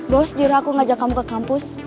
boss diri aku ngajak kamu ke kampus